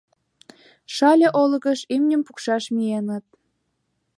— Шале олыкыш имньым пукшаш миеныт.